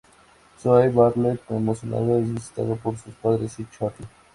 Zoey Bartlet, conmocionada, es visitada por sus padres y Charlie.